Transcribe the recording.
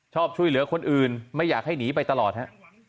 ชอบช่วยเหลือคนอื่นไม่อยากให้หนีไปตลอดฮะ